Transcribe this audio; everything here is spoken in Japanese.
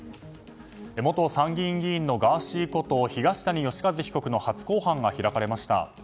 元参議院議員のガーシーこと東谷義和被告の初公判が開かれました。